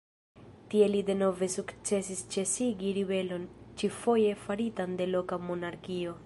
Tie li denove sukcesis ĉesigi ribelon, ĉifoje faritan de loka monarkio.